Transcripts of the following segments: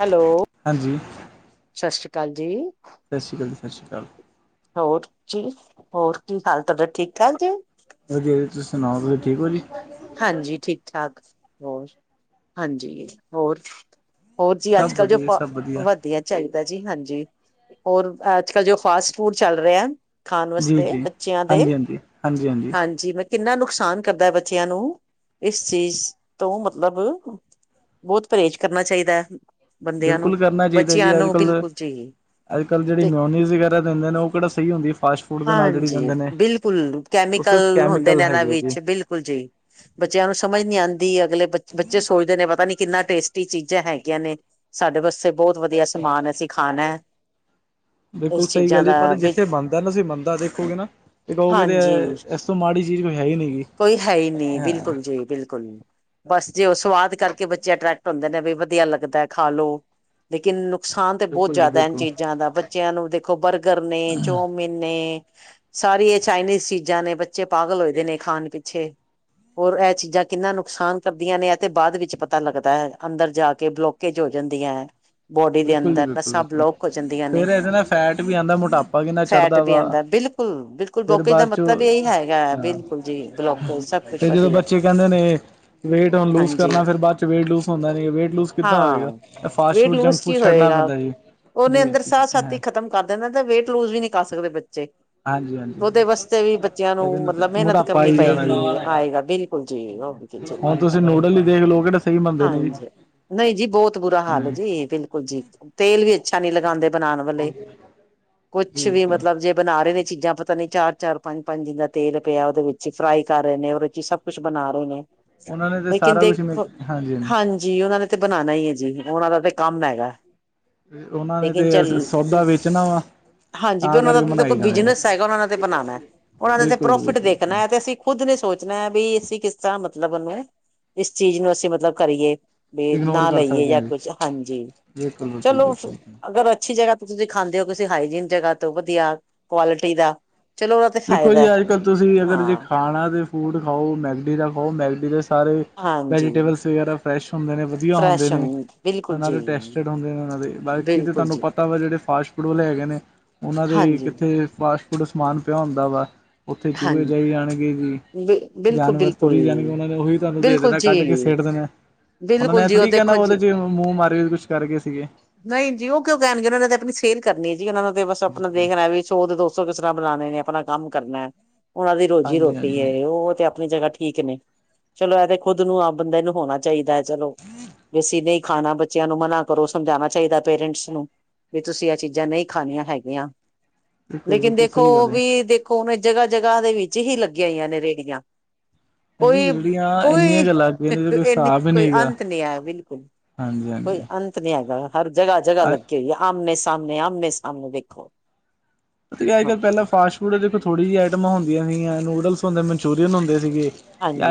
Hello. ਹਾਂਜੀ? ਸਤਿ ਸ੍ਰੀ ਅਕਾਲ ਜੀ। ਸਤਿ ਸ਼੍ਰੀ ਅਕਾਲ ਜੀ ਸਤਿ ਸ਼੍ਰੀ ਅਕਾਲ। ਹੋਰ ਜੀ, ਹੋਰ ਕੀ ਹਾਲ ਤੁਹਾਡਾ ਠੀਕ ਠਾਕ ਜੇ? ਹਾਂਜੀ, ਤੁਸੀਂ ਸੁਣਾਓ ਤੁਸੀਂ ਠੀਕ ਹੋ ਜੀ? ਹਾਂਜੀ, ਠੀਕ ਠਾਕ ਹੋਰ ਹਾਂਜੀ ਹੋਰ? ਹੋਰ ਜੀ ਸਭ ਅੱਜ ਕੱਲ੍ਹ ਜੋ ਵਧੀਆ ਸਭ ਵਧੀਆ। ਚਾਹੀਦਾ ਜੀ ਹਾਂਜੀ ਹੋਰ ਅੱਜ ਕਲ ਜੋ ਫਾਸਟ ਫੂਡ ਚੱਲ ਰਿਹਾ। ਖਾਣ ਜੀ ਵਾਸਤੇ ਜੀ ਬੱਚਿਆਂ ਦੇ ਹਾਂਜੀ ਹਾਂਜੀ ਹਾਂਜੀ ਹਾਂਜੀ ਪਰ ਕਿੰਨਾ ਨੁਕਸਾਨ। ਕਰਦਾ ਬੱਚਿਆਂ ਨੂੰ ਇਸ ਚੀਜ਼ ਤੋਂ ਮਤਲਬ ਬਹੁਤ ਪਰਹੇਜ਼ ਕਰਨਾ ਚਾਹੀਦਾ ਹੈ। ਬੰਦਿਆਂ ਨੂੰ ਬਿਲਕੁਲ ਕਰਨਾ ਚਾਹੀਦਾ ਬੱਚਿਆਂ ਜੀ ਅੱਜ ਨੂੰ ਕੱਲ੍ਹ ਬਿਲਕੁਲ ਜੀ। ਅੱਜ ਕੱਲ ਜਿਹੜੀ ਤੇ ਮਿਉਨੀਜ਼ ਵਗੈਰਾ ਦਿੰਦੇ ਉਹ ਕਿਹੜਾ ਸਹੀ ਹੁੰਦੀ ਫਾਸਟਫੂਡ। ਹਾਂਜੀ, ਬਿਲਕੁਲ ਉਹ ਸਿਰਫ ਕੈਮੀਕਲ ਹੁੰਦੇ ਕੈਮੀਕਲ ਨੇ ਇਹਨਾਂ ਹੈਗੇ ਜੀ ਵਿੱਚ ਬਿਲਕੁਲ ਜੀ। ਬੱਚਿਆਂ ਨੂੰ ਸਮਝ ਨੀ ਆਉਂਦੀ ਅਗਲੇ ਬੱਚੇ ਸੋਚਦੇ ਨੇ ਪਤਾ ਨੀ ਕਿੰਨਾ ਟੇਸਟੀ ਚੀਜ਼ਾਂ ਹੈਗੀਆਂ ਨੇ। ਸਾਡੇ ਵਾਸਤੇ ਬਹੁਤ ਵਧੀਆ ਸਮਾਨ ਅਸੀਂ ਖਾਣਾ ਹੈ। ਬਿਲਕੁਲ ਸਹੀ ਗੱਲ ਪਰ ਜਿੱਥੇ ਬਣ। ਅੰਦਰ ਤੁਸੀਂ ਮੰਦਿਰ ਦੇਖੋਗੇ ਨਾ, ਤੇ ਕਹੋਗੇ ਤੇ ਹਾਂਜੀ ਇਸ ਤੋਂ ਮਾੜੀ ਚੀਜ਼ ਕੋਈ ਹੈਈ ਨਹੀਂ ਗੀ ਕੋਈ ਹੈਈ ਨਹੀਂ, ਹਾਂ ਬਿਲਕੁਲ ਜੀ, ਬਿਲਕੁਲ ਬਸ ਜੇ ਓ ਸਵਾਦ ਕਰਕੇ ਬੱਚੇ ਅਟਰੈਕਟ ਹੁੰਦੇ ਨੇ, ਵੀ ਵਧੀਆ ਲੱਗਦਾ ਖਾ ਲੋ ਲੇਕਿਨ, ਨੁਕਸਾਨ ਤਾਂ ਬੋਤ ਬਿਲਕੁਲ ਜੀ ਜ਼ਿਆਦਾ ਏਨਾ ਬਿਲਕੁਲ ਚੀਜ਼ਾਂ ਦਾ ਬੱਚਿਆਂ ਨੂੰ ਦੇਖੋ ਬਰਗਰ ਨੇ, ਚੌਮਿਨ ਨੇ ਸਾਰੀ ਇਹ ਚਾਈਨੀਜ਼ ਚੀਜ਼ਾਂ ਨੇ, ਬੱਚੇ ਪਾਗਲ ਹੋਏਦੇ ਨੇ ਖਾਣ ਪਿੱਛੇ ਹੋਰ ਇਹ ਚੀਜ਼ਾਂ ਕਿੰਨਾ ਨੁਕਸਾਨ ਕਰਦੀਆਂ ਨੇ, ਇਹ ਤੇ ਬਾਅਦ ਵਿੱਚ ਪਤਾ ਲੱਗਦਾ ਹੈ ਅੰਦਰ ਜਾ ਕੇ, ਬਲੋਕਜ ਤੇਜ ਹੋ ਜਾਂਦੀਆਂ। ਬੋਡੀ ਦੇ ਬਿਲਕੁਲ ਜੀ ਅੰਦਰ ਬਿਲਕੁਲ ਨੱਸਾਂ ਬਿਲਕੁਲ ਬਲੋਕ ਹੋ ਜਾਂਦੀਆਂ ਫੇਰ ਨੇ, ਇਹਦੇ ਨਾਲ ਫੈਟ ਵੀ ਆਉਂਦਾ ਮੋਟਾਪਾ ਕਿੰਨਾ ਫੈਟ ਚੜ੍ਹਦਾ ਵੀ ਵਾ ਅੰਦਰ ਬਿਲਕੁਲ ਕੁਲ ਬਿਲਕੁਲ, ਫਿਰ ਬਲੋਕੇਜ ਦਾ ਬਾਅਦ ਚੋਂ ਮਤਲਬ ਇਹੀ ਹੈਗਾ ਹਾਂ ਬਿਲਕੁਲ ਜੀ ਬਲੋਕੇਜ ਕੁਛ ਤੇ ਜਦੋਂ ਵਧੀਆ ਬੱਚੇ ਕਹਿੰਦੇ ਨੇ ਵੇਟ ਹੁਣ ਲੂਜ ਹਾਂਜੀ ਕਰਨਾ ਫਿਰ ਬਾਅਦ ਚ ਵੇਟ ਲੂਸ ਹੁੰਦਾ ਨੀ ਵੇਟ ਲੂਸ ਕਿੱਦਾਂ ਹਾਂ ਹੋਇਗਾ। ਇਹ fast weight food lose junk food ਕੀ ਛੱਡਣਾ ਹੋਏਗਾ ਪੈਂਦਾ ਜੀ ਉਹਨੇ ਜੀ ਅੰਦਰ ਜੀ ਸਾਹ ਸਤ ਹੀ ਹੈ ਖ਼ਤਮ ਕਰ ਦੇਣਾ ਤੇ ਵੇਟ ਲੂਜ ਵੀ ਨਹੀਂ ਕਰ ਸਕਦੇ ਬੱਚੇ। ਹਾਂਜੀ ਹਾਂਜੀ ਉਹਦੇ ਵਾਸਤੇ ਵੀ ਬੱਚਿਆਂ ਨੂੰ ਇਹਦੇ ਨਾਲ ਤਾਂ ਮਤਲਬ ਮਿਹਨਤ। ਮੋਟਾਪਾ ਕਰਨੀ ਹੀ ਜਾਣਾ ਪਏਗੀ ਜੀ ਆਏਗਾ ਬਿਲਕੁਲ ਜੀ ਉਹ ਕੁਝ ਹੁਣ ਤੁਸੀਂ ਨੂਡਲ ਹੀ ਦੇਖ ਲਓ ਕਿਹੜੇ ਸਹੀ ਬਣਦੇ ਨੇ ਜੀ ਹਾਂਜੀ ਨਹੀਂ ਜੀ, ਬਹੁਤ ਬੁਰਾ ਹਾਲ ਹੈ ਹਾਂ ਜੀ। ਬਿਲਕੁਲ ਜੀ, ਤੇਲ ਵੀ ਅੱਛਾ ਨੀ ਲਗਾਉਂਦੇ ਬਣਾਉਣ ਵਾਲੇ ਕੁਛ ਜੀ ਵੀ ਜੀ ਮਤਲਬ ਜੇ। ਬਣਾ ਰੇ ਨੇ ਚੀਜ਼ਾਂ, ਪਤਾ ਨੀ ਚਾਰ-ਚਾਰ, ਪੰਜ-ਪੰਜ ਦਿਨ ਦਾ ਤੇਲ ਪਿਆ ਓਦੇ ਵਿੱਚ ਫਰਾਈ ਕਰ ਰਹੇ ਨੇ ਉਹਦੇ ਚ ਸਭ ਕੁਛ ਬਣਾ ਰਹੇ ਨੇ, ਉਹਨਾਂ ਨੇ ਤੇ ਸਾਰਾ ਕੁਛ ਮੇ [unintelligible] ਹਾਂਜੀ ਹਾਂਜੀ ਜੀ ਓਨਾਂ ਨੇ ਤੇ ਬਣਾਣਾ ਈ ਐ ਜੀ, ਓਨਾਂ ਦਾ ਤੇ ਕੰਮ ਹੈਗਾ ਤੇ, ਓਨਾਂ ਨੇ ਲੇਕਿਨ ਚੱਲ ਤੇ, ਸੌਦਾ ਵੇਚਣਾ ਵਾ ਹਾਂਜੀ ਵੀ ਤਾਂ ਓਨਾਂ ਕਰਕੇ ਦਾ ਕੋ ਬਣਾਈ ਜਾਣੇ ਬਿਜਨਸ ਹੈਗਾ, ਓਨਾਂ ਤੇ ਬਣਾਉਣਾ, ਓਨਾਂ ਦੇ ਤੇ ਬਿਲਕੁਲ ਜੀ ਪ੍ਰੋਫਿਟ ਬਿਲਕੁਲ ਦੇਖਣਾ ਹੈ ਤੇ ਅਸੀ ਖੁੱਦ ਨੇ ਸੋਚਨਾ ਐ ਵੀ ਅਸੀ ਕਿਸ ਤਰਾਂ ਮਤਲਬ ਓਨੂੰ, ਇਸ ਚੀਜ਼ ਨੂੰ ਅਸੀ ਮਤਲਬ ਕਰੀਏ ਵੀ, ਇਗਨੋਰ ਨਾ ਕਰ ਲਈਏ ਸਕਦੇ ਜਾਂ ਹਾਂ ਜੀ ਕੁਛ ਹਾਂਜੀ, ਬਿਲਕੁਲ ਬਿਲਕੁਲ ਚਲੋ ਬਿਲਕੁਲ ਅਗਰ ਅੱਛੀ ਜਗਾਹ ਤੁਸੀਂ ਜੇ ਖਾਂਦੇ ਹੋ ਕਿਸੇ ਹਾਈਜੀਨ ਜਗਾਹ ਤੋਂ ਵਧੀਆ, ਕੁਆਲਿਟੀ ਦਾ, ਚਲੋ ਉਹ ਤੇ ਦੇਖੋ ਜੀ ਫਾਇਦਾ। ਅੱਜ ਤੁਸੀਂ, ਅਗਰ ਜੇ ਹਾਂ ਖਾਣਾ ਦੇ ਫੂਡ ਖਾਓ ਮੈਗਡੀ ਦਾ ਖਾਓ,, ਮੈਗਡੀ ਦੇ ਸਾਰੇ ਹਾਂਜੀ ਵੈਜੀਟੇਬਲਸ ਵਗੈਰਾ ਫਰੈਸ਼ ਹੁੰਦੇ ਨੇ, ਵਧੀਆ ਹੁੰਦੇ ਫਰੈਸ਼ ਨੇ, ਬਿਲਕੁਲ ਇਨਾਂ ਜੀ ਦੇ ਟੇਸ [unintelligible] ਉਨਾ ਦੇ ਬਾਕੀ ਤਾਂ ਬਿਲਕੁਲ ਤਾਨੂੰ ਜੀ ਪਤਾ ਵਾ ਜਿਹੜੇ ਫਾਸਟ ਫੂਡ ਵਾਲੇ ਹੈਗੇ ਨੇ, ਉਨਾਂ ਦੇ ਹਾਂਜੀ ਕਿੱਥੇ ਫਾਸਟ ਫੂਡ ਸਮਾਨ ਪਿਆ ਹੁੰਦਾ ਵਾ, ਉੱਥੇ ਚੂਹੇ ਹਾਂਜੀ ਜਾਈ ਜਾਣਗੇ ਜੀ। ਬ ਬਿਲਕੁਲ ਜਾਨਵਰ ਬਿਲਕੁਲ ਤੁਰੀ ਜਾਣਗੇ, ਉਹਨਾ ਨੇ ਉਹੀ ਤੁਹਾਨੂੰ ਦੇ ਬਿਲਕੁਲ ਦੇਣਾ, ਕੱਢ ਕੇ ਜੀ ਸੀਟ ਦੇ ਨੇ ਉਹਨਾਂ ਬਿਲਕੁਲ ਨੇ ਇਹ ਜੀ ਉਹ ਥੋੜ੍ਹੀ ਕਹਿਣਾ ਦੇਖੋ ਉਹਦੇ ਜੀ ਚ ਮੂੰਹ ਮਾਰਗੇ ਕੁਛ ਕਰਗੇ ਸੀਗੇ। ਨਹੀਂ ਜੀ ਉਹ ਕਿਉਂ ਕਹਿਣਗੇ। ਉਹਨਾਂ ਨੇ ਤੇ ਆਪਣੀ ਸੇਲ ਕਰਨੀ ਹੈ ਜੀ ਉਹਨਾਂ ਨੂੰ ਤੇ ਬਸ ਆਪਣਾ ਵੇਖਣਾ ਵੀ ਸੋ ਦੇ ਦੋ ਸੋ ਕਿਸ ਤਰ੍ਹਾਂ ਬਣਾਣੇ ਨੇ ਆਪਣਾ ਕੰਮ ਕਰਨਾ, ਉਹਨਾਂ ਦੀ ਰੋਜ਼ੀ ਹਾਂਜੀ ਰੋਟੀ ਹਾਂਜੀ ਹੈ ਉਹ ਤੇ ਆਪਣੀ ਜਗ੍ਹਾ ਠੀਕ ਨੇ, ਚਲੋ ਇਹ ਤੇ ਖੁੱਦ ਨੂੰ ਆਪ ਬੰਦੇ ਨੂੰ ਹੋਣਾ ਚਾਹੀਦਾ। ਚਲੋ, ਵੇਸੀ ਨਹੀਂ ਖਾਣਾ ਬੱਚਿਆਂ ਨੂੰ ਮਨਾ ਪਰ ਉਹ ਸਮਝਾਣਾ ਚਾਹੀਦਾ ਪੇਰੈਂਟਸ ਨੂੰ, ਵੀ ਤੁਸੀਂ ਆਹ ਚੀਜ਼ਾਂ ਨਹੀਂ ਖਣੀਆਂ ਹੈਗੀਆਂ। ਬਿਲਕੁਲ ਲੇਕਿਨ ਬਿਲਕੁਲ ਦੇਖੋ, ਸਹੀ ਉਹ ਗੱਲ ਹੈ ਵੀ ਦੇਖ ਔਵੇ ਜਗ੍ਹਾ- ਜਗ੍ਹਾ ਦੇ ਵਿੱਚ ਹੀ ਲੱਗੀਆਂ ਹੋਈਆਂ ਨੇ ਰੇਹੜੀਆਂ। ਹਾਂਜੀ ਕੋਈ, ਜਿਹੜੀਆਂ ਇੰਨੀਆਂ ਕੋਈ, ਗੱਲਾਂ ਅੱਗੇ ਨੇ ਕੋਈ ਏਨੀ ਕੋਈ ਅੰਤ ਨਹੀਂ ਆਇਆ ਬਿਲਕੁਲ। ਹਾਂਜੀ ਕੋਈ ਹਾਂਜੀ। ਅੰਤ ਨੀ ਹੈਗਾ, ਹਰ ਜਗ੍ਹਾ -ਜਗ੍ਹਾ ਲੱਗੀ ਹੋਈਐ ਆਮਨੇ ਸਾਹਮਣੇ-ਆਮੇ ਸਾਹਮਣੇ ਦੇਖੋ। ਅੱਜ ਹਾਂ ਕੱਲ੍ਹ, ਪਹਿਲਾਂ ਫਾਸਟ ਫੂਡ ਦੇਖੋ ਥੋੜ੍ਹੀ ਜਿਹੀ ਆਟਮਾਂ ਹੁੰਦੀਆਂ ਸੀਗੀਆਂ, ਨੂਡਲਸ ਹੁੰਦੇ ਮਨਚੂਰੀਅਨ ਹੁੰਦੇ ਸੀਗੇ।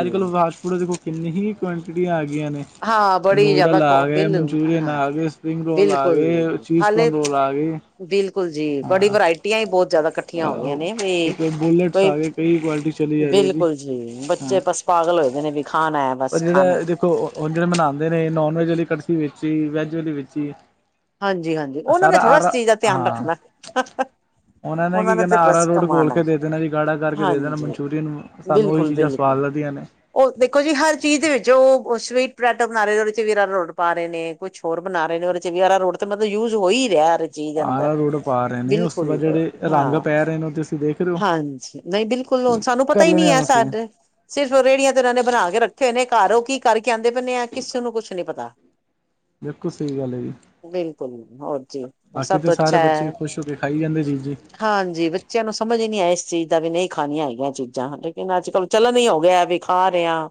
ਅੱਜ ਕੱਲ੍ਹ, ਫਾਸਟ ਫੂਡ ਦੇਖੋ ਕਿੰਨੀ ਹੀ ਕੁਆਂਟਿਟੀਆਂ ਆ ਗਈਆਂ ਨੇ। ਹਾਂ ਬੜੀ ਜ਼ਿਆਦਾ ਨੂਡਲਸ ਆ ਗਏ, ਬਿਲ ਮਨਚੂਰੀਅਨ ਹਾਂ ਆ ਗਏ, ਸਪਰਿੰਗ ਰੋਲ ਆ ਬਿਲਕੁਲ ਗਏ, ਹਾਲੇ ਚੀਜ਼ਕੌਰਨ ਰੋਲ ਆ ਗਏ। ਬਿਲਕੁਲ ਜੀ, ਬੜੀ ਹਾਂ ਵਰਾਇਟੀ। ਛੁੱਟੀਆਂ ਹੀ ਬਹੁਤ ਜਿਆਦਾ ਇਕੱਠੀਆਂ ਹੋ ਗਈਆਂ ਨੇ ਵੀ, ਬੁਲੇਟਸ ਆ ਗਏ ਕਈ ਕੁਆਲਿਟੀ ਚਲੀ ਜਾ ਰਹੀ ਹੈ ਬਿਲਕੁਲ ਜੀ ਹਾਂ। ਬੱਚੇ ਬਸ। ਪਾਗਲ ਹੋਏ ਨੇ ਵੀ, ਖਾਣਾ ਹੈ ਬਸ ਖਾਣਾ ਹੈ। ਉੰਜ ਤਾਂ ਬਨਾਉਂਦੇ ਨੇ, ਨੋਨ ਵੈਜ ਵਾਲੀ ਕੜਛੀ ਵਿੱਚ ਹੀ, ਵੈਜ ਵਾਲੀ ਵਿੱਚ ਹੀ। ਹਾਂਜੀ -ਹਾਂਜੀ ਉਹਨਾਂ ਨੇ ਸਾਰਾ ਥੋੜ੍ਹਾ ਇਸ ਆਰਾ ਚੀਜ਼ ਦਾ ਧਿਆਨ ਹਾਂ ਰੱਖਣਾ। ਉਹਨਾਂ ਨੇ ਕੀ ਤੇ ਕਰਣਾ ਬਸ ਆਰਾਰੋਟ ਗੋਲ ਕਮਾਣਾ। ਕੇ ਦੇ ਦੇਣਾ। ਜੀ ਗਾੜਾ ਕਰਕੇ ਦੇ ਦੇਣਾ ਹਾਂਜੀ ਮਨਚੂਰੀਅਨ। ਸਾਨੂੰ ਉਹੀ ਬਿਲਕੁਲ ਚੀਜ਼ਾਂ ਸਵਾਦ ਬਿਲਕੁਲ। ਲੱਗਦੀਆਂ ਨੇ। ਉਹ ਦੇਖੋ ਜੀ ਹਰ ਚੀਜ਼ ਦੇ ਵਿੱਚ ਉਹ ਸਵੀਟ ਪੋਟੈਟੋ ਬਣਾ ਰਹੇ ਨੇ ਉਹਦੇ ਚ [inaudible] ਪਾ ਰਹੇ ਨੇ, ਕੁਛ ਹੋਰ ਬਣਾ ਰਹੇ ਨੇ ਉਹਦੇ ਵਿੱਚ ਅਰਾਰੋਟ ਤੇ ਮਤਲਬ ਯੂਜ ਹੋ ਹੀ ਰਿਹਾ। ਜੀ ਜਾਂਦਾ ਆਰਾ ਰੋਡ ਪਾ ਰਹੇ ਨੇ ਉਸ ਤੋਂ ਬਿਲਕੁਲ ਬਾਅਦ ਜਿਹੜੇ ਰੰਗ ਹਾਂ ਪੈ ਰਹੇ ਨੇ ਤੁਸੀਂ ਦੇਖ ਰਹੇ ਹੋ ਹਾਂਜੀ। ਨਹੀਂ ਬਿਲਕੁਲ ਹੁਣ, ਸਾਨੂੰ ਪਤਾ ਕਰ ਹੀ ਲੈਣੇ ਨਹੀਂ ਆ ਹੈ ਅਸੀਂ ਸਾਡੇ। ਸਿਰਫ ਰੇਹੜੀਆਂ ਤੇ ਇਹਨਾਂ ਨੇ ਬਣਾ ਕੇ ਰੱਖੇ ਹੋਏ ਨੇ ਘਰ ਉਹ ਕੀ ਕਰਕੇ ਆਉਂਦੇ ਪੈਂਦੇ ਆ। ਕਿਸੇ ਨੂੰ ਕੁਛ ਨੀ ਪਤਾ। ਬਿਲਕੁਲ ਸਹੀ ਗੱਲ ਹੈ ਜੀ। ਬਿਲਕੁਲ, ਹੋਰ ਜੀ, ਬਾਕੀ ਸਭ ਤਾਂ ਤੋਂ ਸਾਰੇ ਅੱਛਾ ਬੱਚੇ ਹੈ ਖੁਸ਼ ਹੋ ਕੇ ਖਾਈ ਜਾਂਦੇ ਜੀ ਜੀ ਹਾਂਜੀ। ਬੱਚਿਆਂ ਨੂੰ ਸਮਝ ਹੀ ਨਹੀਂ ਆਇਆ ਇਸ ਚੀਜ਼ ਦਾ ਵੀ ਨਹੀਂ ਖਾਣੀਆਂ ਹੈਗੀਆਂ ਚੀਜ਼ਾਂ ਲੇਕਿਨ ਅੱਜ ਕੱਲ ਚਲਣ ਹੀ ਹੋ ਗਿਆ ਵੀ ਖਾ ਰਹੇ ਆ।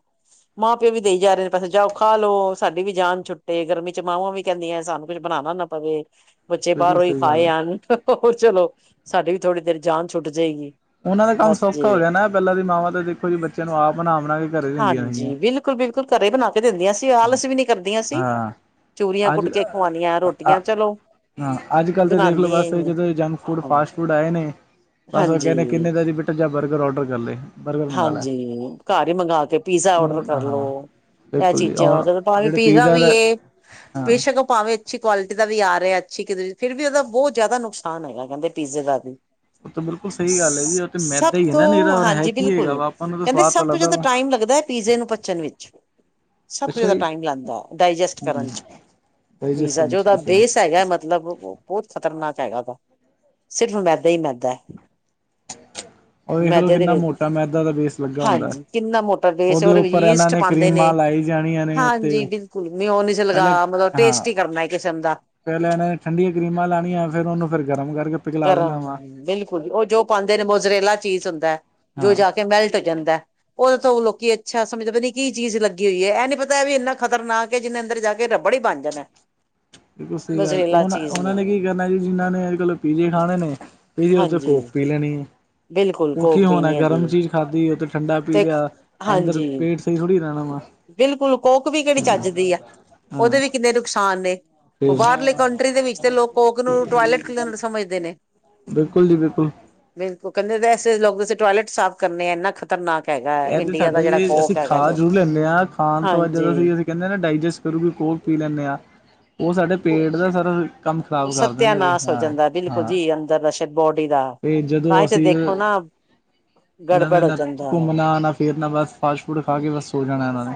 ਮਾਂ ਪਿਓ ਵੀ ਦੇਈ ਜਾ ਰਹੇ ਨੇ ਪੈਸੇ ਜਾਓ ਖਾ ਲਓ। ਸਾਡੀ ਵੀ ਜਾਨ ਛੁੱਟੇ ਗਰਮੀ ਚ ਮਾਵਾਂ ਵੀ ਕਹਿੰਦੀਆਂ ਸਾਨੂੰ। ਕੁਛ ਬਣਾਉਣਾ ਨਾ ਪਵੇ ਬੱਚੇ ਬਿਲਕੁਲ ਬਾਹਰੋਂ ਹੀ ਸਹੀ ਗੱਲ ਖਾਏ ਹੈ ਆਣ। ਹੋਰ ਚਲੋ ਸਾਡੀ ਵੀ ਥੋੜ੍ਹੀ ਦੇਰ ਜਾਨ ਛੁੱਟ ਜਾਏਗੀ। ਉਹਨਾਂ ਦਾ ਕੰਮ ਬਸ ਜੀ ਸੌੱਖਾ ਹੋ ਜਾਣਾ ਪਹਿਲਾਂ ਦੀ ਮਾਵਾਂ ਤੇ ਦੇਖੋ ਜੀ, ਬੱਚਿਆਂ ਨੂੰ ਆਪ ਨਾ ਬਣਾ ਕੇ ਘਰੇ ਦਿੰਦੀਆਂ ਸੀਗੀਆਂ। ਹਾਂਜੀ ਬਿਲਕੁਲ- ਬਿਲਕੁਲ ਘਰੇ ਬਣਾ ਕੇ ਦਿੰਦੀਆਂ ਸੀ, ਆਲਸ ਵੀ ਨੀ ਕਰਦੀਆਂ ਸੀ, ਹਾਂ ਚੂਰੀਆਂ ਕੁੱਟ ਕੇ। ਖਵਾਉਣੀਆਂ ਰੋਟੀਆਂ ਅੱਜ ਚਲੋ। ਹਾਂ, ਅੱਜ ਕੱਲ੍ਹ ਤਾਂ ਦੇਖਲੋ ਬਣਾਉਂਦੀਆਂ ਹੀ ਬਸ ਨੇ ਜਦੋਂ ਜੰਕ ਫੂਡ ਹਾਂ ਫਾਸਟ ਫੂਡ ਆਏ ਨੇ। ਬਸ ਉਹ ਕਹਿੰਦੇ ਹਾਂਜੀ ਕਿੰਨੇ ਦਾ ਜੀ ਬੇਟਾ ਜਾਂ ਬਰਗਰ ਔਡਰ ਕਰ ਲਏ। ਬਰਗਰ ਮੰਗਵਾ ਲੈ ਹਾਂਜੀ ਘਰ ਹੀ ਮੰਗਵਾ ਕੇ ਪੀਜ਼ਾ ਓਡਰ ਨੂਡ ਕਰਲੋ। ਹਾਂ ਇਹ ਬਿਲਕੁਲ ਜੀ ਚੀਜ਼ਾਂ ਔਰ ਉਹ ਭਾਵੇਂ ਜਿਹੜੇ ਪੀਜ਼ਾ ਵੀ ਦਾ ਏ ਹਾਂ ਬੇਸ਼ੱਕ। ਭਾਵੇਂ ਅੱਛੀ ਕੁਆਲਿਟੀ ਦਾ ਵੀ ਆ ਰਿਹਾ ਅੱਛੀ ਕਿ ਫ਼ਿਰ ਵੀ ਉਹਦਾ ਬਹੁਤ ਜ਼ਿਆਦਾ ਨੁਕਸਾਨ ਹੈਗਾ ਕਹਿੰਦੇ ਪੀਜ਼ੇ ਦਾ ਵੀ। ਉਹ ਤਾਂ ਬਿਲਕੁਲ ਸਹੀ ਗੱਲ ਹੈ ਜੀ, ਉਹ ਤੇ ਮੈਦਾ ਹੀ ਹੈ ਨਾ ਨਿਰਾ ਹੋਰ ਹੈ ਕਿ ਐ। ਭੁਲੋ ਨਾ ਕਹਿੰਦੇ ਸਭ ਤੋਂ ਜਿਆਦਾ ਟਾਈਮ ਲੱਗਦਾ ਹੈ ਪੀਜ਼ੇ ਨੂੰ ਪੱਚਣ ਵਿੱਚ। ਸਭ ਤੋਂ ਅੱਛਾ ਜ਼ਿਆਦਾ ਜੀ ਟਾਈਮ ਲੈਂਦਾ ਡਾਇਜੈਸਟ ਕਰਨ ਚ। ਪੀਜ਼ਾ ਹਮ ਜੋ ਉਹਦਾ ਠੀਕ ਹੈ ਬੇਸ ਹੈਗਾ ਮਤਲਬ। ਬਹੁਤ ਖ਼ਤਰਨਾਕ ਹੈਗਾ ਸਿਰਫ਼ ਮੈਦਾ ਹੀ ਮੈਦਾ। ਉਹ ਵੇਖ ਲਓ ਮੈਦੇ ਦੇ ਕਿੰਨਾ ਵਿੱਚ ਮੋਟਾ ਮੈਦਾ ਦਾ ਬੇਸ ਲੱਗਾ। ਹੁੰਦਾ ਹਾਂਜੀ ਕਿੰਨਾ ਮੋਟਾ ਬੇਸ ਉਹਦੇ ਵਿੱਚ ਉੱਪਰ ਇਹਨਾਂ ਈਸਟ ਨੇ ਕਰੀਮਾਂ ਲਾਈ ਜਾਣੀਆਂ ਨੇ ਉਤੇ। ਮੀ ਉਹ ਨੀ ਸੀ ਲਗਾ ਮਤਲਬ ਟੇਸਟੀ ਕਰਨਾ ਏ ਇਕ ਕਿਸਮ ਦਾ। ਪਹਿਲਾਂ ਇਹਨਾਂ ਨੇ ਠੰਡੀਆਂ ਕਰੀਮਾਂ ਲਾਣੀਆਂ, ਫ਼ਿਰ ਉਹਨੂੰ ਫਿਰ ਗਰਮ ਕਰਕੇ। ਪਿਘਲਾ ਕਰ ਦੇਣਾ ਵਾ ਬਿਲਕੁਲ ਉਹ ਜੋ ਪਾਉਂਦੇ ਨੇ ਮੋਜਰੇਲਾ ਚੀਜ਼ ਹੁੰਦਾ ਹੈ ਜੋ ਹਾਂ ਜਾ ਕੇ। ਮੈਲਟ ਹੋ ਜਾਂਦਾ। ਉਹਦੇ ਤੋਂ ਉਹ ਲੋਕੀ ਅੱਛਾ ਸਮਝਦੇ ਪਤਾ ਨਹੀਂ ਕੀ ਚੀਜ਼ ਲੱਗੀ ਹੋਈ ਹੈ ਇਹ ਨੀ ਪਤਾ ਵੀ ਇੰਨਾ ਖਤਰਨਾਕ। ਜਿਹਨੇ ਅੰਦਰ ਜਾ ਕੇ ਰੱਬੜ ਹੀ ਬਣ ਜਾਣਾ। ਦੂਸਰੀ ਗੱਲ ਉਹ ਮੋਜਰੇਲਾ ਚੀਜ਼ ਉਹਨਾਂ ਨੇ ਕੀ ਕਰਨਾ ਜੀ ਜਿਹਨਾਂ ਨੇ ਅੱਜ ਕੱਲ ਪੀਜੇ ਖਾਣੇ ਨੇ, ਉੱਤੋਂ ਹਾਂਜੀ ਕੋੋਕ ਪੀ ਲੈਣੀ ਆ। ਬਿਲਕੁਲ ਉਹ ਕੀ ਕੋਕ ਹੋਣਾ ਪੀਣੀ ਹੈ ਜੀ ਗਰਮ ਚੀਜ਼ ਖਾਧੀ ਉੱਥੇ ਠੰਡਾ ਪੀ ਤੇ ਲਿਆ ਅੰਦਰ ਹਾਂਜੀ ਪੇਟ, ਥੋੜੀ ਰੈਣਾ ਵਾ ਬਿਲਕੁਲ ਕੋਕ ਵੀ ਕਿਹੜੀ ਚੱਜ ਦੀ ਆ ਉਹਦੇ ਹਾਂ ਵੀ ਕਿੰਨੇ ਨੁਕਸਾਨ ਨੇ, ਉਹ ਫਿਰ ਬਾਹਰਲੇ ਕੰਟਰੀ ਦੇ ਵਿੱਚ ਤੇ ਲੋਕ ਕੋਕ ਨੂੰ ਟੋਇਲਟ ਕਲੀਨਰ ਸਮਝਦੇ ਨੇ, ਬਿਲਕੁਲ ਜੀ ਬਿਲਕੁਲ, ਬਿਲਕੁਲ ਕਹਿੰਦੇ ਐਸੇ ਲੋਕ ਦ ਟੋਇਲਟ ਸਾਫ਼ ਕਰਨੇ ਆੰਨਾ ਖਤ, ਖਤਰਨਾਕ ਹੈਗਾ। ਇਹ ਤੇ ਇੰਡੀਆ ਦਾ ਜਿਹੜਾ ਸਾਡੇ ਅਸੀਂ ਕੋਕ ਹੈਗਾ ਖਾ ਜੋ ਜ਼ਰੂਰ ਲੈਂਦੇ ਹਾਂ। ਖਾਣ ਤੋਂ ਅੱ ਜਦ ਹਾਂਜੀ ਅਸੀਂ ਅਸੀਂ ਕਹਿੰਦੇ ਨਾ ਡਾਈਜੈਸਟ ਕਰੂਗੇ ਕੋਲ ਪੀ ਲੈਂਦੇ ਹਾਂ। ਉਹ ਸਾਡੇ ਪੇਟ ਦਾ ਸਰ ਕੰਮ ਖ਼ਰਾਬ ਕਰ ਦਿੰਦੇ ਸਤਿਆਨਾਸ਼ ਹੋ ਹਾਂ ਜਾਂਦਾ ਬਿਲਕੁਲ ਹਾਂ। ਜੀ ਅੰਦਰ [unintelligible] ਬੋਡੀ ਦਾ, ਤੇ ਤਾਂ ਜਦੋਂ ਹੀ ਤੇ ਅਸੀਂ ਦੇਖੋ ਨਾ ਇਹਨਾਂ ਨੇ ਗੜਬੜ ਹੋ ਨਾ ਜਾਂਦਾ ਹੈ ਘੁੰਮਣਾ ਨਾ ਫਰ ਨਾਲ ਬਸ ਫਾਸਟ ਫੂਡ ਖਾ ਕੇ ਬਸ ਹੋ ਜਾਣਾ ਇਹਨਾਂ ਨੇ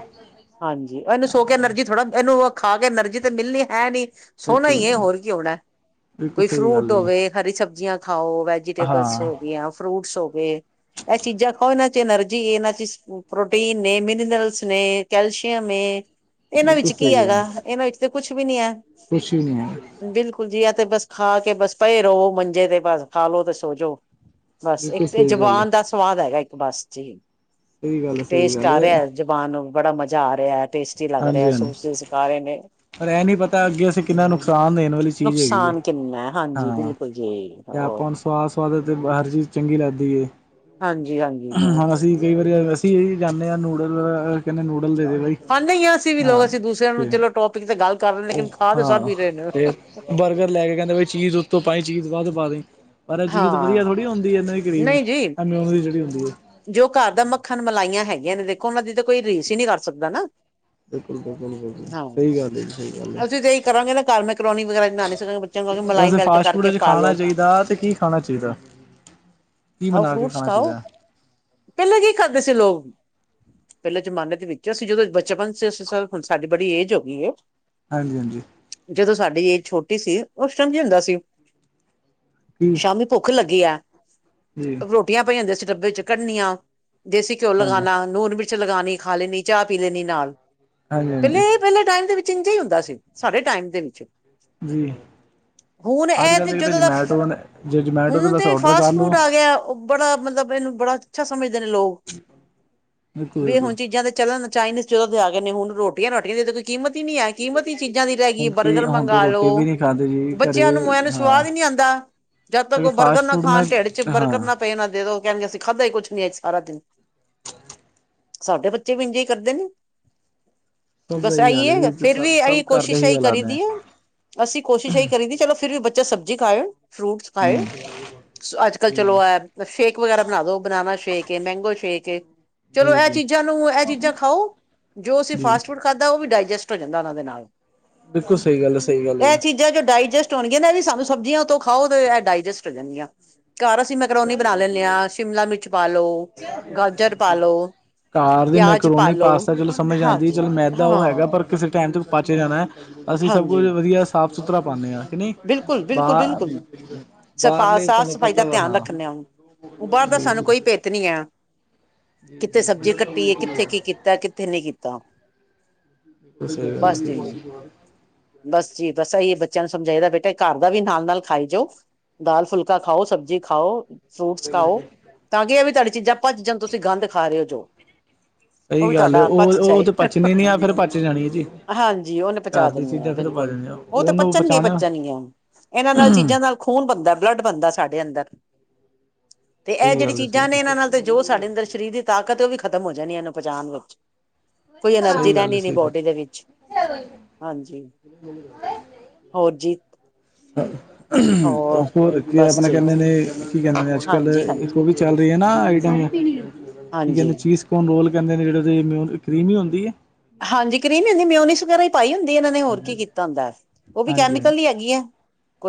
ਹਾਂਜੀ ਇਹਨੂੰ ਸੋ ਕੇ ਐਨਰਜੀ ਥੋੜ੍ਹਾ ਇਹਨੂੰ ਉਹ ਖਾ ਕੇ ਐਨਰਜੀ ਤੇ ਮਿਲਣੀ ਹੈ ਨੀ, ਸੌਣਾ ਬਿਲਕੁਲ ਹੀ ਹੈ ਹੋਰ ਕੀ ਹੋਣਾ, ਬਿਲਕੁਲ ਕੋਈ ਸਹੀ ਗੱਲ ਫਰੂਟ ਹੈ ਹੋਵੇ ਹਰੀ ਸਬਜ਼ੀਆਂ ਖਾਓ ਵੈਜੀਟੇਬਲਸ ਹੋ ਹਾਂ ਗਿਆ ਫਰੂਟਸ ਹੋਗੇ। ਇਹ ਚੀਜ਼ਾਂ ਖਾਓ, ਇਹਨਾਂ ਚ ਐਨਰਜੀ ਇਹਨਾਂ ਚ ਪ੍ਰੋਟੀਨ ਨੇ ਮਿਨਰਲਸ ਨੇ ਕੈਲਸ਼ੀਅਮ ਏ, ਇਹਨਾਂ ਬਿਲਕੁਲ ਵਿੱਚ ਕੀ ਸਹੀ ਗੱਲ ਹੈਗਾ ਹੈ ਇਹਨਾਂ ਵਿੱਚ ਤੇ ਕੁੱਛ ਵੀ ਨੀ ਐ। ਕੁਛ ਵੀ ਨਹੀਂ ਹੈ ਬਿਲਕੁਲ ਜੀ, ਆ ਤੇ ਬਸ ਖਾ ਕੇ ਬਸ ਪਏ ਰੋਵੋ ਮੰਜ਼ੇ ਤੇ ਬਸ ਖਾਲੋ ਤੇ ਸੋਜੋ। ਬਸ ਇੱਕ ਬਿਲਕੁਲ ਤੇ ਸਹੀ ਗੱਲ ਹੈ ਜਵਾਨ ਦਾ ਸਵਾਦ ਹੈਗਾ, ਇੱਕ ਬੱਸ ਚ ਜੀ। ਸਹੀ ਗੱਲ ਇੱਕ ਹੈ ਸਹੀ ਟੇਸਟ ਗੱਲ ਆ ਹੈ ਰਿਹਾ। ਜਬਾਨ ਨੂੰ ਬੜਾ ਮਜ਼ਾ ਆ ਰਿਹਾ, ਟੇਸਟੀ ਲੱਗ ਰਿਹਾ ਹਾਂਜੀ ਹਾਂਜੀ ਸੂਸੀਜ ਪਾ ਰਹੇ ਨੇ। ਪਰ ਇਹ ਨੀ ਪਤਾ ਅੱਗੇ ਅਸੀਂ ਕਿੰਨਾ ਨੁਕਸਾਨ ਦੇਣ ਵਾਲੀ ਚੀਜ਼ ਹੈਗੀ ਐਂ, ਨੁਕਸਾਨ ਕਿੰਨਾ ਹੈ। ਹਾਂਜੀ ਹਾਂ ਬਿਲਕੁਲ ਜੀ ਤੇ ਆਪਾਂ ਹੋਰ ਹੁਣ ਸਵਾਦ ਸਵਾਦ ਤੇ ਹਰ ਚੀਜ਼ ਚੰਗੀ ਲੱਗਦੀ ਏ, ਹਾਂਜੀ ਹਾਂਜੀ ਹੋਰ ਹੁਣ ਅਸੀਂ ਕਈ ਵਾਰੀ ਅਸੀਂ ਜਾਂਦੇ ਹਾਂ ਨੂਡਲ ਕਹਿੰਦੇ ਨੂਡਲ ਦੇ ਬਾਈ ਖਾਂਦੇ ਹੀ ਆ, ਅਸੀਂ ਵੀ ਲੋਕ ਹਾਂ ਅਸੀਂ ਦੂਸਰਿਆਂ ਨੂੰ ਤੇ ਚਲੋਂ ਟੋਪਿਕ ਤੇ ਗੱਲ ਕਰ ਰਹੇ, ਲੇਕਿਨ ਉਹ ਖਾ ਤੇ ਸਭ ਹਾਂ ਹੀ ਰਹੇ ਨੇ। ਤੇ ਬਰਗਰ ਲੈ ਕੇ ਕਹਿੰਦੇ ਬਈ ਚੀਜ਼ ਉੱਤੋਂ ਪਾਈ ਚੀਜ਼ ਵੱਧ ਪਾ ਦੇਈ, ਪਰ ਇਹ ਚੀਜ਼ ਵਧੀਆ ਹਾਂ ਥੋੜ੍ਹੀ ਹੁੰਦੀ ਇਹ ਨਹੀਂ ਜੀ ਐਮਿਊਨ ਦੀ ਜਿਹੜੀ ਹੁੰਦੀ ਹੈ। ਜੋ ਘਰ ਦਾ ਮੱਖਣ ਮਲਾਈਆਂ ਹੈਗੀਆਂ ਨੇ ਦੇਖੋ ਉਹਨਾਂ ਦੀ ਤਾਂ ਕੋਈ ਰੀਸ ਹੀ ਨਹੀਂ ਕਰ ਸਕਦਾ ਨਾ, ਬਿਲਕੁਲ ਬਿਲਕੁਲ ਬਿਲਕੁਲ ਹਾਂ ਸਹੀ ਗੱਲ ਹੈ ਜੀ ਸਹੀ ਗੱਲ ਹੈ। ਅਸੀਂ ਤੇਹੀ ਕਰਾਂਗੇ ਨਾ ਘਰ ਮੈਂ ਕਰੋਨੀ ਵਗੈਰਾ ਬਣਾ ਨੀ ਸਕਾਂਗੇ। ਬੱਚਿਆਂ ਨੂੰ ਕਹਾਂਗੇ ਮਲਾਈ ਵੈਸੇ ਮੈਲਟ ਫਾਸਟ ਫੂਡ ਕਰਕੇ ਵਿੱਚ ਪਾ ਖਾਣਾ ਲਓ ਚਾਹੀਦਾ ਤੇ ਕੀ ਖਾਣਾ ਚਾਹੀਦਾ ਕੀ ਖਾਓ ਬਣਾ ਕੇ ਫਰੂਟਸ ਖਾਣਾ ਖਾਓ ਚਾਹੀਦਾ। ਪਹਿਲਾਂ ਕੀ ਕਰਦੇ ਸੀ ਲੋਕ ਵੀ, ਪਹਿਲੇ ਜ਼ਮਾਨੇ ਦੇ ਵਿੱਚ ਅਸੀਂ ਜਦੋਂ ਬਚਪਨ ਚ ਅਸੀਂ, ਹੁਣ ਸਾਡੀ ਬੜੀ ਏਜ ਹੋ ਗਈ ਐ। ਹਾਂਜੀ ਹਾਂਜੀ। ਜਦੋਂ ਸਾਡੀ ਏਜ ਛੋਟੀ ਸੀ, ਉਸ ਟੈਂਪ ਟਾਈਮ ਕੀ ਹੁੰਦਾ ਸੀ। ਕੀ ਸ਼ਾਮੀ ਭੁੱਖ ਲੱਗੀ ਆ। ਜੀ। ਰੋਟੀਆਂ ਪਾਈ ਹੁੰਦੀਆ ਸੀ, ਡੱਬੇ ਚ ਕੱਢਣੀਆਂ ਦੇਸੀ ਘਿਓ ਹਾਂਜੀ ਲਗਾਣਾ ਨੂਨ ਮਿ 'ਚ ਲਗਾਣੀ ਖਾ ਲੈਣੀ ਚਾਹ ਪੀ ਲੈਣੀ ਨਾਲ, ਹਾਂਜੀ ਪਹਿਲੇ ਹਾਂਜੀ ਇਹ ਵੇਲੇ ਟਾਈਮ ਦੇ ਵਿੱਚ ਇੰਝ ਹੀ ਹੁੰਦਾ ਸੀ, ਸਾਡੇ ਟਾਈਮ ਦੇ ਵਿੱਚ ਜੀ ਹੁਣ ਅੱਜ ਇਹ ਕੱਲ੍ਹ ਤੇ ਦੇ ਤਾਂ ਜਦੋਂ ਦਾ ਫਫ ਜਮੈਟੋ ਨੇ ਜੇ ਜਮੈਟੋ ਹੁਣ ਬਸ ਤੇ ਔਡਰ ਫਾਸਟ ਕਰ ਲਓ ਫੂਡ ਆ ਗਿਆ, ਉਹ ਬੜਾ ਮਤਲਬ ਇਹਨੂੰ ਬੜਾ ਅੱਛਾ ਸਮਝਦੇ ਨੇ ਲੋਕ। ਬਿਲਕੁਲ ਬੇ ਬਿਲਕੁਲ ਹੁਣ ਚੀਜ਼ਾਂ ਤੇ ਚੱਲਣ ਚਾਈਨੀਜ਼ ਚਲੋ ਆ ਗਏ ਨੇ, ਹੁਣ ਰੋਟੀਆਂ ਰੁਟੀਆਂ ਦੀ ਇਹ ਕੋਈ ਕੀਮਤ ਹੀ ਨਹੀਂ ਹੈ ਕੀਮਤ ਚੀਜ਼ਾਂ ਦੀ ਰਹਿ ਗਈ ਹੁਣ ਤੇ ਬਰਗਰ ਹੁਣ ਤਾਂ ਮੰਗਾ ਰੋਟੀ ਵੀ ਲੋ, ਨਹੀਂ ਖਾਂਦੇ ਜੀ ਘਰੇ ਬੱਚਿਆਂ ਨੂੰ ਮੋਇ ਨੂੰ ਸਵਾਦ ਹੀ ਨੀ ਹਾਂ ਆਉਂਦਾ। ਜਦ ਤੱਕ ਉਹ ਬਰਗਰ ਫਾਸਟ ਨਾ ਫੂਡ ਨਾਲ ਖਾਣ ਢੇਡ 'ਚ ਬਰਗਰ ਹਾਂ ਨਾ ਪਏ ਨਾ ਦੇ, ਉਹ ਕਹਿਣਗੇ ਅਸੀਂ ਖਾਧਾ ਹੀ ਕੁਛ ਨੀ ਅੱਜ ਸਾਰਾ ਦਿਨ। ਸਾਡੇ ਬੱਚੇ ਵੀ ਇੰਜੇ ਹੀ ਕਰਦੇ ਨੇ। ਸਭ ਦਾ ਬਸ ਹੀ ਹਾਲ ਹੈ ਆਈਏ, ਜੀ ਫਿਰ ਵੀ ਸਭ ਇਹ ਏ ਸਭ ਘਰ ਦੇ ਕੋਸ਼ਿਸ਼ ਹੀ ਆਈ ਹਾਲਾਤ ਕਰੀ ਨੇ ਦੀਏ ਅਸੀਂ ਕੋਸ਼ਿਸ਼ ਇਹ ਈ ਕਰੀ ਦੀ ਚਲੋਂ, ਫਿਰ ਵੀ ਬੱਚਾ ਸਬਜ਼ੀ ਖਾਏ, ਫਰੂਟਸ ਖਾਏ, ਹੂੰ ਅੱਜ ਕੱਲ ਜੀ ਚਲੋਂ ਐ ਸ਼ੇਕ ਵਗੈਰਾ ਬਣਾ ਦੋ, ਬਨਾਨਾ ਸ਼ੇਕ ਏ, ਮੈਂਗੋ ਸ਼ੇਕ। ਚਲੋ ਜੀ ਇਹ ਜੀ ਚੀਜ਼ਾਂ ਨੂੰ, ਇਹ ਚੀਜ਼ਾਂ ਖਾਓ। ਜੋ ਅਸੀਂ ਜੀ ਫਾਸਟ ਫੂਡ ਖਾਧਾ, ਉਹ ਵੀ ਡਾਇਜੈਸਟ ਹੋ ਜਾਂਦਾ ਉਹਨਾਂ ਦੇ ਨਾਲ। ਬਿਲਕੁਲ ਸਹੀ ਗੱਲ ਐ, ਸਹੀ ਗੱਲ ਐ ਜੀ। ਇਹ ਚੀਜ਼ਾਂ ਜੋ ਡਾਇਜੈਸਟ ਹੋਣਗੀਆਂ ਨਾ, ਇਹ ਵੀ ਸਾਨੂੰ ਸਬਜ਼ੀਆਂ ਤੋਂ ਖਾਓ ਤੇ ਇਹ ਡਾਇਜੈਸਟ ਹੋ ਜਾਂਣਗੀਆਂ। ਘਰ ਅਸੀਂ ਮੈਂਕਰੋਨੀ ਬਣਾ ਲੈਂਦੇ ਆ, ਸ਼ਿਮਲਾ ਮਿਰਚ ਪਾ ਲੋ, ਗਾਜਰ ਪਾਲੋ। ਕਾਰ ਦੇ ਮੈਂਕਰੋਨੀ ਪਾਸਤਾਂ ਚਲੋਂ ਸਮਝ ਆਉਂਦੀ, ਹਾਂਜੀ ਚਲੋਂ ਮੈਂਦਾਂ ਉਹ ਹੈਗਾ ਹਾਂ ਪਰ ਕਿਸੇ ਟਾਈਮ ਤੇ ਉਹ ਪਾਚ ਜਾਣਾ, ਅਸੀਂ ਸਭ ਕੁਝ ਹਾਂਜੀ ਵਧੀਆ ਸਾਫ ਸੁਥਰਾ ਪਾਉਂਦੇ ਆ। ਕਾ ਨਹੀਂ ਬਿਲਕੁਲ ਬਿਲਕੁਲ ਬਿਲਕੁਲ ਬ ਬਾਹਰਲੇ ਸਾਨੂੰ ਪਤਾ ਵਾ ਹਾਂ। ਉਹ ਬਾਹਰ ਦਾ ਜੀ ਸਾਨੂੰ ਜੀ ਕੋਈ ਭਿੱਤ ਨੀ ਆ। ਜੀ ਕਿੱਥੇ ਜੀ ਸਬਜ਼ੀ ਜੀ ਕੱਟੀ ਏ, ਕਿੱਥੇ ਕੀ ਕੀਤਾ, ਕਿੱਥੇ ਨਹੀਂ ਕੀਤਾ। ਬਿਲ ਸਹੀ ਗੱਲ, ਬਸ ਜੀ ਸਹੀ ਬਸ ਜੀ ਬਸ, ਆਹੀ ਬੱਚਿਆਂ ਨੂੰ ਸਮਝਾਈ ਦਾ ਬੇਟਾ ਘਰ ਦਾ ਵੀ ਨਾਲ ਨਾਲ ਖਾਈ ਜਾਓ, ਦਾਲ ਫੁਲਕਾ ਖਾਓ, ਸਬਜ਼ੀ ਖਾਓ। ਫਰੂਟਸ ਖਾਓ, ਤਾਂ ਕੀ ਆ ਵੀ ਤੁਹਾਡੀ ਚੀਜ਼ਾਂ ਪਚ ਜਾਣ, ਤੁਸੀਂ ਗੰਦ ਖਾ ਰਹੇ ਹੋ ਜੋ। ਉਹ ਸਹੀ ਵੀ ਗੱਲ ਆ, ਤੁਹਾਡਾ ਪਚ ਉਹ ਉਹ ਜਾਏ ਤੇ ਪਚਣੀ ਨੀ, ਆ ਫਿਰ ਪੱਚ ਜਾਣੀ ਐ ਜੀ। ਹਾਂਜੀ ਉਹਨੇ ਪਹੁੰਚਾ ਘਰ ਦੀ ਦਿੰਦੇ ਹਾਂ, ਚੀਜ਼ਾਂ ਫਿਰ ਪਚ ਬਿਲਕੁਲ ਜਾਣੀਆਂ ਉਹ ਤਾਂ ਉਹਨੂੰ ਪਚ ਪਚਾਉਣਾ ਬੱਚਾ ਨੀਆਂ ਇਹਨਾਂ ਨਾਲ ਚੀਜ਼ਾਂ ਸਹੀ ਨਾਲ ਖੂਨ ਬਣਦਾ ਬਲੱਡ ਬਣਦਾ ਸਾਡੇ ਅੰਦਰ ਤੇ ਇਹ ਜਿਹੜੀ ਗੱਲ ਹੈ, ਚੀਜ਼ਾਂ ਸਹੀ ਨੇ ਇਹਨਾਂ ਨਾਲ ਤੇ ਜੋ ਸਾਡੇ ਅੰਦਰ ਸਰੀਰ ਦੀ ਤਾਕਤ ਹੈ, ਉਹ ਵੀ ਖਤਮ ਹੋ ਜਾਣੀ ਹੈ ਇਹਨੂੰ ਪਹੁੰਚਾਉਣ ਵਿੱਚ ਕੋਈ ਐਨਰਜੀ ਸਹੀ ਗੱਲ ਹੈ ਰਹਿਣੀ ਨੀ ਸਹੀ ਗੱਲ। ਬੋਡੀ ਦੇ ਵਿੱਚ ਹਾਂਜੀ ਮਿਲ- ਮਿਲ। ਹੋਰ ਜੀ, ਹੋਰ ਕੀ ਬਸ ਆਪਣਾ ਜੀ ਕਹਿੰਦੇ ਨੇ, ਕੀ ਕਹਿੰਦੇ ਨੇ ਅੱਜ ਹਾਂਜੀ ਹਾਂਜੀ ਕੱਲ ਚੱਲ ਰਹੀ ਹੈ ਨਾ ਆਈਟਮ ਕੀ ਕਹਿੰਦੇ ਹਾਂਜੀ ਚੀਜ਼ ਕੋਨ ਰੋਲ ਕਹਿੰਦੇ ਨੇ ਜਿੜੇ ਇਨ ਕ ਕਰੀਮ ਹੁੰਦੀ ਹੈ। ਹਾਂਜੀ, ਕਰੀਮ ਹੀ ਹੁੰਦੀ ਹੈ ਮਿਉਨੀਜ ਵਗੈਰਾ ਹੀ ਪਾਈ ਹੁੰਦੀ ਇਹਨਾਂ ਨੇ ਹੋਰ ਹਾਂਜੀ ਕੀ ਕੀਤਾ ਹੁੰਦਾ ਉਹ ਵੀ ਹਾਂਜੀ ਹਾਂਜੀ ਕੈਮੀਕਲ ਦੀ ਹੈਗੀ ਹੈ।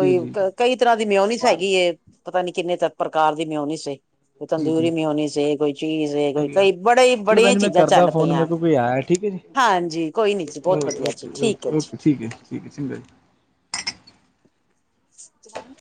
ਜੀ ਜੀ ਕਈ ਤਰ੍ਹਾਂ ਦੀ ਮਿਉਨੀਸ ਹੈਗੀ, ਇਹ ਪਤਾ ਨੀ ਕਿੰਨੇ ਪ੍ਰਕਾਰ ਦੀ ਮਿਉਨੀਸ ਸੀ। ਕੋਈ ਜੀ ਜੀ ਤੰਦੂਰੀ ਵੀ ਹੋਣੀ ਸੀ, ਕੋਈ ਚੀਜ਼ ਸੀ, ਕੋਈ ਸਹੀ ਗੱਲ। ਕਈ ਬੜੇ ਚਲੋ ਭੈਣ ਬੜੀਆਂ ਜੀ ਮੈਂ ਚੀਜ਼ਾਂ ਕਰਦਾ ਚੱਲ ਫੋਨ ਮੇਰੇ ਪਈਆਂ। ਕੋਲ ਕੋਈ ਆਇਆ ਠੀਕ ਹੈ ਜੀ ਹਾਂਜੀ, ਕੋਈ ਨੀ ਜੀ ਬਹੁਤ ਓਕੇ ਵਧੀਆ ਜੀ ਓਕੇ ਠੀਕ ਹੈ ਓਕੇ ਜੀ। ਓਕੇ ਠੀਕ ਹੈ ਠੀਕ ਹੈ ਚੰਗਾ ਜੀ। ਤੁ [inaudible] [inaudible]